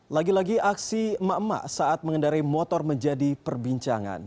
lagi lagi aksi emak emak saat mengendari motor menjadi perbincangan